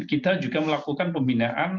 kita juga melakukan pembinaan